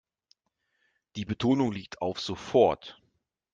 Die Betonung liegt auf sofort.